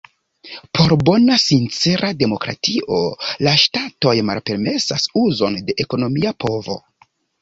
Por bona, sincera demokratio la ŝtatoj malpermesas uzon de ekonomia povo.